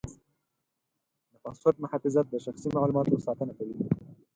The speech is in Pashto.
د پاسورډ محافظت د شخصي معلوماتو ساتنه کوي.